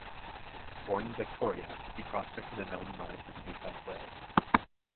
Born in Victoria, he prospected and owned mines in New South Wales.